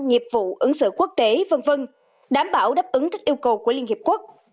nghiệp vụ ứng xử quốc tế v v đảm bảo đáp ứng các yêu cầu của liên hiệp quốc